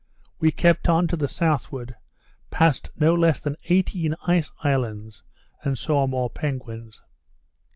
We kept on to the southward, passed no less than eighteen ice islands, and saw more penguins.